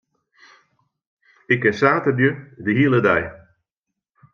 Ik kin saterdei de hiele dei.